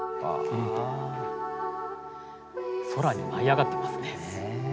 空に舞い上がってますね。